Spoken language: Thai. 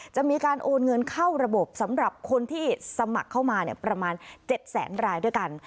มีการโอนเงินเข้าระบบสำหรับคนที่สมัครเข้ามาประมาณ๗แสนรายด้วยกัน